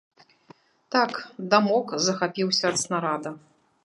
Так, дамок захапіўся ад снарада.